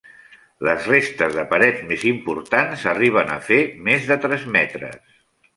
Les restes de parets més importants arriben a fer més de tres metres.